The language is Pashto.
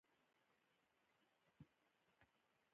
په ودونو کې خلک ډول وهي.